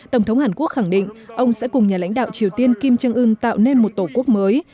tổng thống hàn quốc khẳng định ông sẽ cùng nhà lãnh đạo triều tiên kim jong un tạo nên một tổ quốc mới